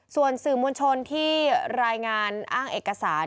ส่วนสื่อมวลชนที่รายงานอ้างเอกสาร